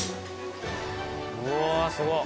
うわすごい。